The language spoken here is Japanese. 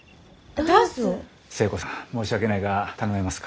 寿恵子さん申し訳ないが頼めますか？